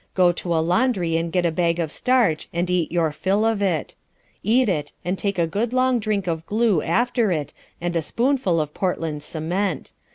Go to a laundry and get a bag of starch, and eat your fill of it. Eat it, and take a good long drink of glue after it, and a spoonful of Portland cement.